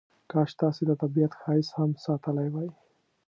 کاش تاسې د طبیعت ښایست هم ساتلی وای.